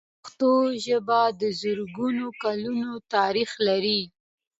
پښتو ژبه د زرګونو کلونو تاریخ لري.